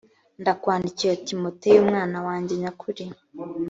ndakwandikiye timoteyo umwana wanjye nyakuri